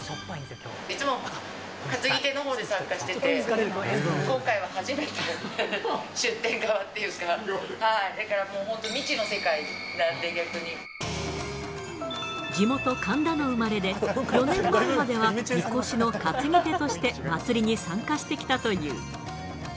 いつもは担ぎ手のほうで参加してて、今回は初めて出店側っていうか、だからもう本当に未知の世界なん地元、神田の生まれで、４年前まではみこしの担ぎ手として祭りに参加してきたという。